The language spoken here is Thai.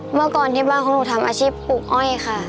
เมื่อก่อนที่บ้านของหนูทำอาชีพปลูกอ้อยค่ะ